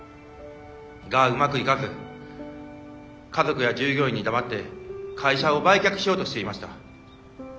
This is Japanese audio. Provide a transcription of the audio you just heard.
がうまくいかず家族や従業員に黙って会社を売却しようとしていました。